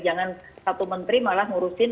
jangan satu menteri malah ngurusin